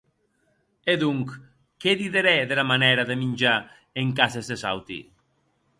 E, donc, qué diderè dera manèra de minjar en cases des auti.?